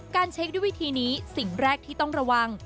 เช็คด้วยวิธีนี้สิ่งแรกที่ต้องระวัง